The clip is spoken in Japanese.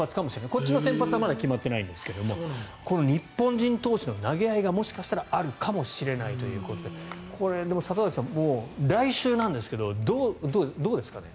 こっちの先発はまだ決まってないですが日本人投手の投げ合いがもしかしたらあるかもしれないということで里崎さん、来週なんですけどどうですかね。